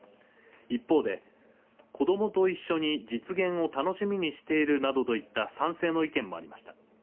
一方で子どもと一緒に実現を楽しみにしているなどといった賛成の意見もありました。